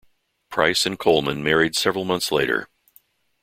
Price and Coleman married several months later.